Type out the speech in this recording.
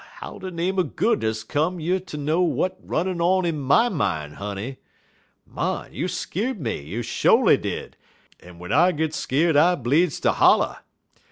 How de name er goodness come you ter know w'at runnin' on in my min', honey? Mon, you skeer'd me; you sho'ly did; en w'en I git skeer'd I bleedz ter holler.